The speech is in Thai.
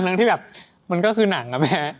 ทั้งที่แบบมันก็คือหนังอะแม่